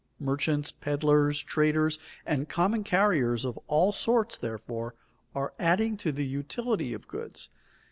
Merchants, peddlers, traders, and common carriers of all sorts, therefore, are adding to the utility of goods.